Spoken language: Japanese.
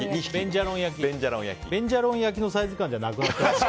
ベンジャロン焼きのサイズ感じゃなくなってる。